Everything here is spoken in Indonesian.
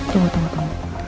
tunggu tunggu tunggu